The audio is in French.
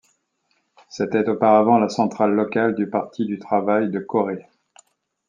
C'était auparavant la centrale locale du Parti du travail de Corée.